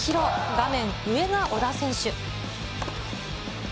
画面上が小田選手。